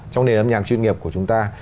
trong nền âm nhạc chuyên nghiệp của chúng ta